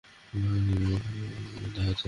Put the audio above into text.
দানব হওয়ার কারণে জনিকে খুব একটা খারাপ দেখাচ্ছে না।